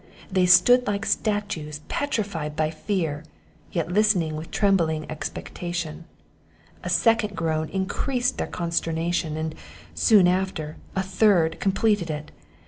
They stood like statues petrified by fear, yet listening with trembling expectation. A second groan increased their consternation; and, soon after, a third completed it.